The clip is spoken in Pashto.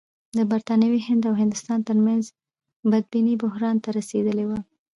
د برټانوي هند او افغانستان ترمنځ بدبیني بحران ته رسېدلې وه.